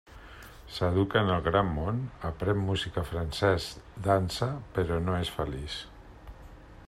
S'educa en el gran món, aprèn música, francès, dansa, però no és feliç.